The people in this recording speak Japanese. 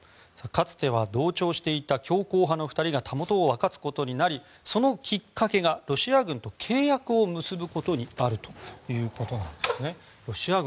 かつては同調していた強硬派の２人が袂を分かつことになりそのきっかけがロシア軍と契約を結ぶことにあるということなんですね。